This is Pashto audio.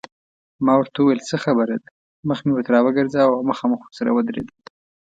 ما ورته وویل څه خبره ده، مخ مې ورته راوګرځاوه او مخامخ ورسره ودرېدم.